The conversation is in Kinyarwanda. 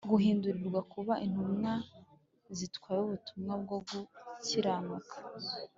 guhindurirwa kuba intumwa zitwaye ubutumwa bwo gukiranuka